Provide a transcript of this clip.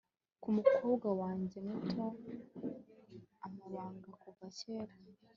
kumukobwa wanjye muto amabanga kuva kera